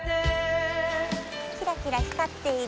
キラキラ光っている。